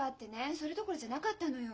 それどころじゃなかったのよ。